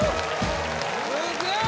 ・すげえ！